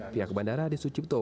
pihak bandara adi sucipto